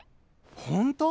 本当？